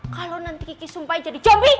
kalau nanti kiki sumpah jadi jombi